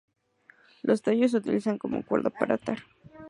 Los tallos se utilizan como cuerda para atar.